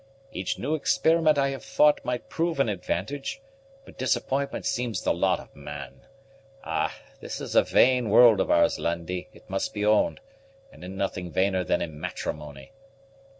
"Each new experiment I have thought might prove an advantage; but disappointment seems the lot of man. Ah! this is a vain world of ours, Lundie, it must be owned; and in nothing vainer than in matrimony."